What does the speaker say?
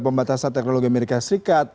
pembatasan teknologi amerika serikat